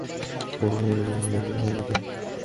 যুদ্ধের নাম শুনলেই সে ছুটে যেতে চাইত।